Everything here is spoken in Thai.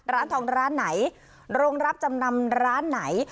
ร้านทองร้านไหนโรงรับจำนำร้านไหน